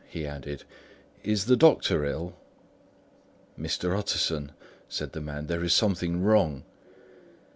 he added; "is the doctor ill?" "Mr. Utterson," said the man, "there is something wrong."